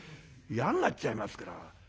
嫌になっちゃいますから。